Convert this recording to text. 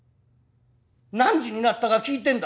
何時になったか聞いてんだ。